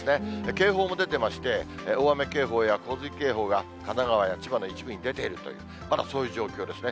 警報も出ていまして、大雨警報や洪水警報が神奈川や千葉の一部に出ているという、まだそういう状況ですね。